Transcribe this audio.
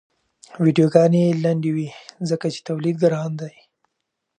ویډیوګانې لنډې وي ځکه چې تولید ګران دی.